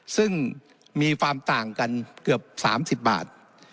ซึ่งมีความต่างกันเกือบ๓๐บาท